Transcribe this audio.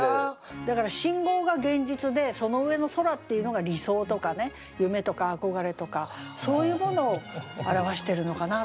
だから「信号」が現実でその上の「空」っていうのが理想とかね夢とか憧れとかそういうものを表してるのかなと思いますね。